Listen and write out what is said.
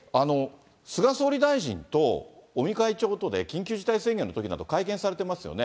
菅総理大臣と尾身会長とで、緊急事態宣言のときなど会見されてますよね。